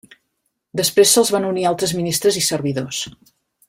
Després se'ls van unir altres ministres i servidors.